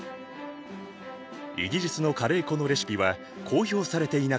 イギリスのカレー粉のレシピは公表されていなかった。